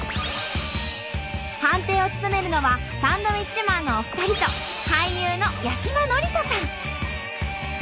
判定を務めるのはサンドウィッチマンのお二人と俳優の八嶋智人さん。